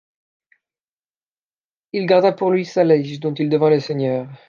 Il garda pour lui Saleich dont il devint le seigneur.